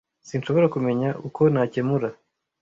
Sinshobora kumenya uko nakemura .